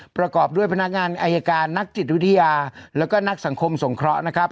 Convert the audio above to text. ประกอบด้วยพนักงานอายการนักจิตวิทยาแล้วก็นักสังคมสงเคราะห์นะครับ